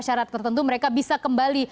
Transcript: syarat tertentu mereka bisa kembali